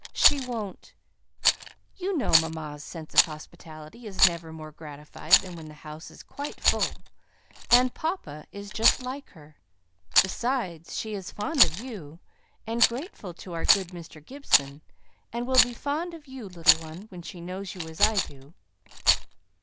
She won't " "You know mamma's sense of hospitality is never more gratified than when the house is quite full; and papa is just like her. Besides, she is fond of you, and grateful to our good Mr. Gibson, and will be fond of you, little one, when she knows you as I do."